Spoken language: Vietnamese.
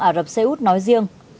ả rập xê út nói riêng